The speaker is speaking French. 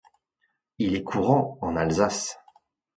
Il est courant en Alsace.